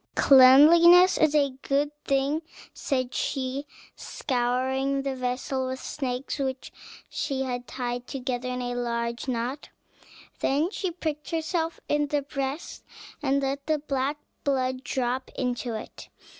"Cleanliness is a good thing," said she, scouring the vessel with snakes, which she had tied together in a large knot; then she pricked herself in the breast, and let the black blood drop into it.